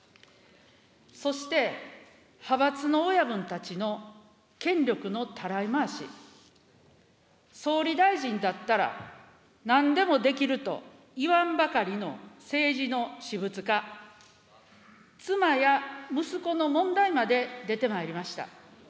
そして、派閥の親分たちの権力のたらい回し、総理大臣だったら、なんでもできると言わんばかりの政治の私物化、妻や息子の問題まで出てまいりました。